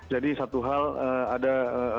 jadi satu hal ada